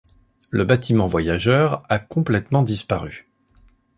Le bâtiment voyageurs a complètement disparu.